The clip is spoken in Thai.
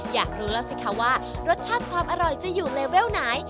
อยากรู้แล้วสิคะว่ารสชาติความอร่อยจะอยู่เลเวลไหน